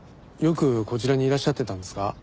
よくこちらにいらっしゃってたんですか？